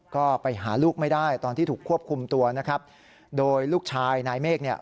ก็ไปหาลูกไม่ได้ตอนที่ถูกควบคุมตัวนะครับโดยลูกชายนายเมฆเนี่ย